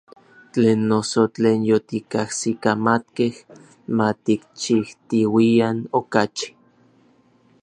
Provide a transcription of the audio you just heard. Tlen noso, tlen yotikajsikamatkej, ma tikchijtiuian okachi.